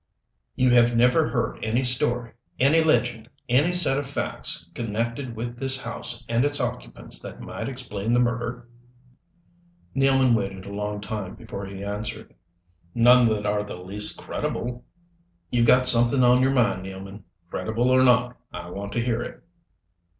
"You have never heard any story, any legend any set of facts connected with this house and its occupants that might explain the murder?" Nealman waited a long time before he answered. "None that are the least credible." "You've got something on your mind, Nealman. Credible or not, I want to hear it."